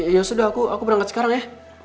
ya sudah aku aku berangkat sekarang ya